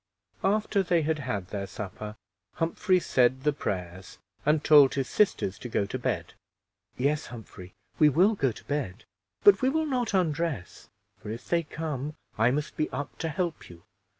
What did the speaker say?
After they had had their supper, Humphrey said the prayers, and told his sisters to go to bed. "Yes, Humphrey, we will go to bed, but we will not undress, for if they come, I must be up to help you.